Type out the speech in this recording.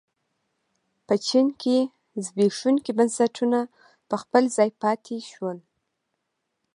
په چین کې زبېښونکي بنسټونه په خپل ځای پاتې شول.